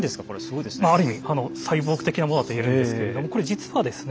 まあある意味サイボーグ的なものだと言えるんですけれどもこれ実はですね